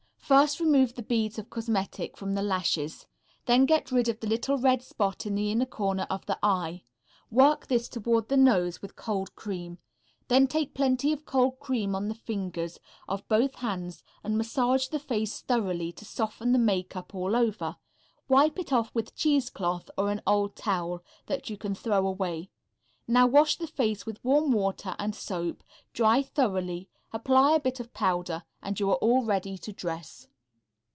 _ First remove the beads of cosmetic from the lashes. Then get rid of the little red spot in the inner corner of the eye. Work this toward the nose with cold cream. Then take plenty of cold cream on the fingers of both hands and massage the face thoroughly, to soften the makeup all over. Wipe it off with cheesecloth or an old towel, that you can throw away. Now wash the face with warm water and soap, dry thoroughly, apply a bit of powder, and you are all ready to dress.